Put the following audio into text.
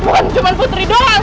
bukan cuma putri doang